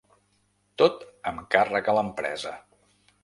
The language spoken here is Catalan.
Tot amb càrrec a l’empresa.